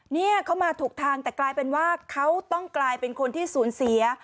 เนี่ยเขามาถูกทางแต่กลายเป็นว่าเขาต้องกลายเป็นคนที่สูญเสีย